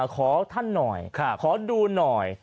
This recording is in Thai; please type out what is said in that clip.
ขอท่านหน่อยขอดูหน่อย